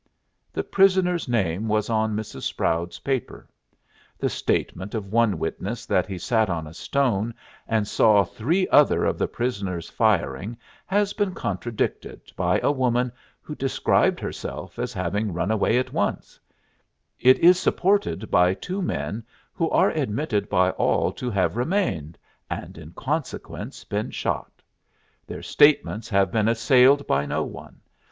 The prisoner's name was on Mrs. Sproud's paper. The statement of one witness that he sat on a stone and saw three other of the prisoners firing has been contradicted by a woman who described herself as having run away at once; it is supported by two men who are admitted by all to have remained, and in consequence been shot. Their statements have been assailed by no one.